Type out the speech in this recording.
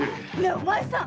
お前さん。